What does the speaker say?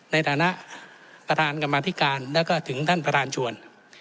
ในฐานะประธานกรรมธิการแล้วก็ถึงท่านประธานชวน